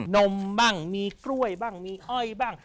นมบ้างมีกล้วยบ้างมีอ้อยบ้าง